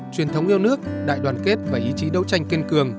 truyền thống yêu nước đại đoàn kết và ý chí đấu tranh kiên cường